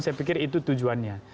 saya pikir itu tujuannya